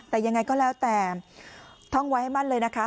แต่ยังไงก็แล้วแต่ท่องไว้ให้มั่นเลยนะคะ